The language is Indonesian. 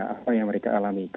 apa yang mereka alami